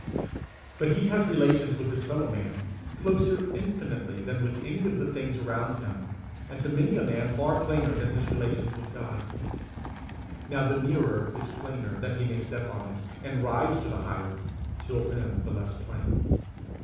But he has relations with his fellow man, closer infinitely than with any of the things around him, and to many a man far plainer than his relations with God. Now the nearer is plainer that he may step on it, and rise to the higher, till then the less plain.